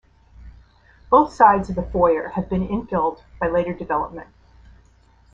Both sides of the foyer have been infilled by later development.